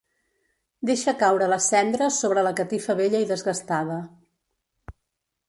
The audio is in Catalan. Deixa caure les cendres sobre la catifa vella i desgastada.